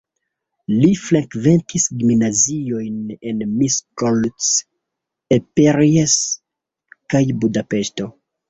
Li frekventis gimnaziojn en Miskolc, Eperjes kaj Budapeŝto.